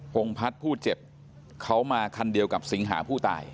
พงพัฒน์ผู้เจ็บเขามาคันเดียวกับสิงหาผู้ตาย